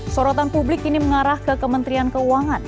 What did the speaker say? sorotan publik ini mengarah ke kementerian keuangan